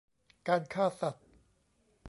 การฆ่าสัตว์